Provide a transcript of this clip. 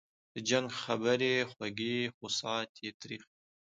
د جنګ خبري خوږې خو ساعت یې تریخ وي